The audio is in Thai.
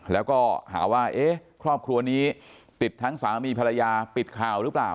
แล้วก็หาว่าเอ๊ะครอบครัวนี้ติดทั้งสามีภรรยาปิดข่าวหรือเปล่า